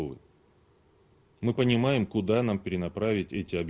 bagaimana kita bisa mengembalikan